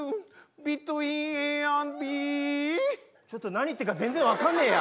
ちょっと何言ってるか全然分かんねえや。